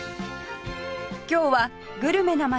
今日はグルメな街